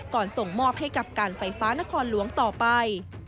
ส่งมอบให้กับการไฟฟ้านครหลวงต่อไป